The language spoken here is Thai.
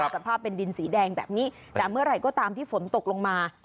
สภาพเป็นดินสีแดงแบบนี้แต่เมื่อไหร่ก็ตามที่ฝนตกลงมา